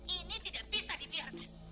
ini tidak bisa dibiarkan